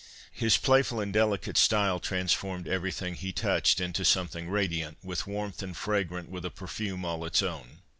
' His playful and delicate style transformed everything he touched into something radiant with warmth and fragrant with a perfume all its own.'